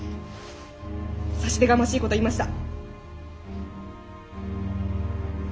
差し出がましいことを言いました。